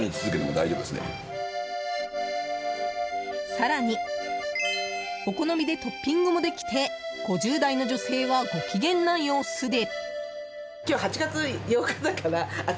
更に、お好みでトッピングもできて５０代の女性はご機嫌な様子で。